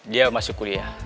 dia masih kuliah